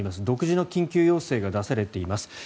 独自の緊急要請が出されています。